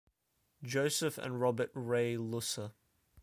Joseph and Robert 'Ray' Lusse.